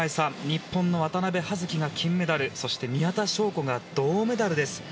日本の渡部葉月が金メダルそして宮田笙子が銅メダルです。